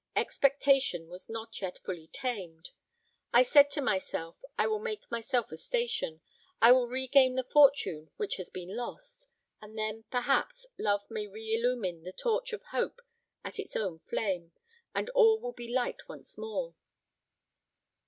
Expectation was not yet fully tamed. I said to myself, I will make myself a station, I will regain the fortune which has been lost; and then, perhaps, love may re illumine the torch of hope at its own flame, and all be light once more."